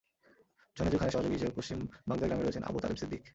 জোনেজু খানের সহযোগী হিসেবে পশ্চিম বাগধা গ্রামে রয়েছেন আবু তালেব ছিদ্দিক।